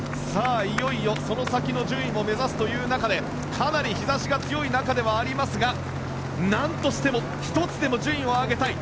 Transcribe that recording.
いよいよその先の順位も目指すという中でかなり日差しが強い中ではありますが何としても１つでも順位を上げたい。